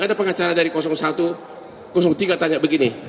ada pengacara dari satu tiga tanya begini